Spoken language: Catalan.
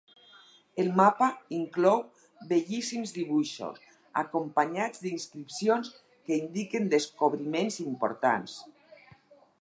El mapa inclou bellíssims dibuixos, acompanyats d'inscripcions que indiquen descobriments importants.